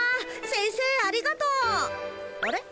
先生ありがとう。あれ？